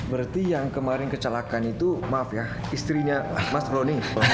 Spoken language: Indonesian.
berarti yang kemarin kecelakaan itu maaf ya istrinya mas roni